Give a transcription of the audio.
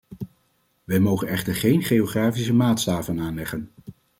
Wij mogen echter geen geografische maatstaven aanleggen.